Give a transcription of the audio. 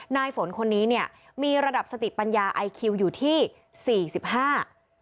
ฝนคนนี้เนี่ยมีระดับสติปัญญาไอคิวอยู่ที่สี่สิบห้า